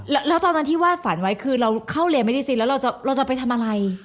แล้วตอนนั้นที่วาดฝันไว้คือเราเข้าเรียนไม่ได้ซินแล้วเราจะไปทำอะไร